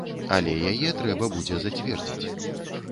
Але яе трэба будзе зацвердзіць.